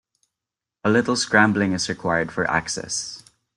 A little scrambling is required for access.